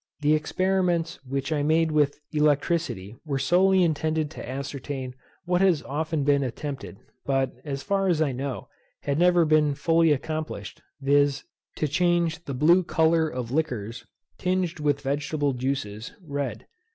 The experiments which I made with electricity were solely intended to ascertain what has often been attempted, but, as far as I know, had never been fully accomplished, viz. to change the blue colour of liquors, tinged with vegetable juices, red.